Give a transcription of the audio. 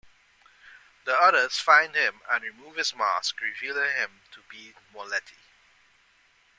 The others find him and remove his mask, revealing him to be Moletti.